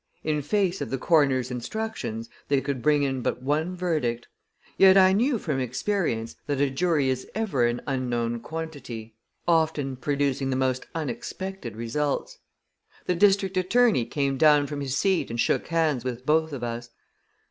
In face of the coroner's instructions, they could bring in but one verdict; yet I knew from experience that a jury is ever an unknown quantity, often producing the most unexpected results. The district attorney came down from his seat and shook hands with both of us.